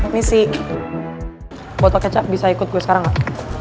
ini si botol kecap bisa ikut gue sekarang nggak